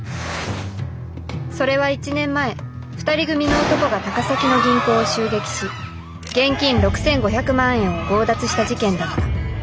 それは１年前２人組の男が高崎の銀行を襲撃し現金６，５００万円を強奪した事件だった。